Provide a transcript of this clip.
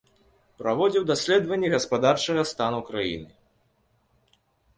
Праводзіў даследаванні гаспадарчага стану краіны.